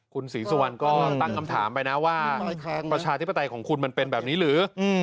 คุณศรีสุวรรณก็ตั้งคำถามไปนะว่าประชาธิปไตยของคุณมันเป็นแบบนี้หรือ